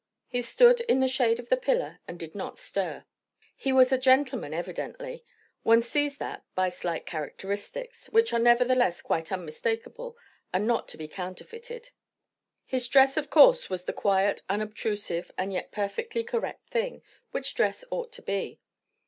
He stood in the shade of the pillar and did not stir. He was a gentleman evidently; one sees that by slight characteristics, which are nevertheless quite unmistakeable and not to be counterfeited. His dress of course was the quiet, unobtrusive, and yet perfectly correct thing, which dress ought to be.